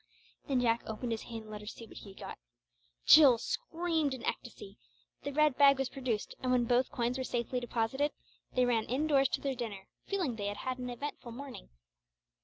Then Jack opened his hand, and let her see what he had got. Jill screamed in ecstacy; the red bag was produced, and when both coins were safely deposited, they ran indoors to their dinner, feeling they had had an eventful morning.